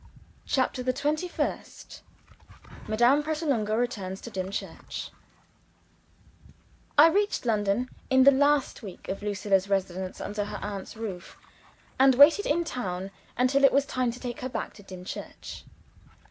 CHAPTER THE TWENTY FIRST Madame Pratolungo Returns to Dimchurch I REACHED London in the last week of Lucilla's residence under her aunt's roof, and waited in town until it was time to take her back to Dimchurch.